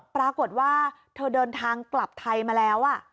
ปรากฏว่าเธอเดินทางกลับไทยมาแล้ว